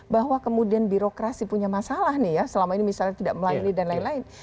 bahwa kemudian birokrasi punya masalah nih ya selama ini misalnya tidak melayani dan lain lain